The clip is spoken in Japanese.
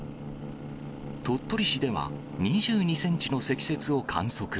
鳥取市では２２センチの積雪を観測。